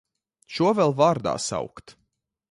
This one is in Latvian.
Šo vēl vārdā saukt!